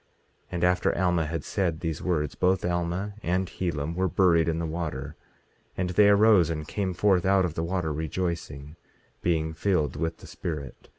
18:14 And after Alma had said these words, both Alma and Helam were buried in the water; and they arose and came forth out of the water rejoicing, being filled with the Spirit.